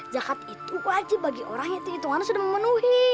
zakat itu wajib bagi orang yang hitungannya sudah memenuhi